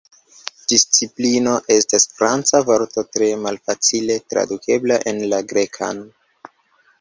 Disciplino estas Franca vorto tre malfacile tradukebla en la Grekan.